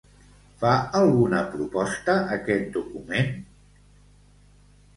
Fa alguna proposta aquest document?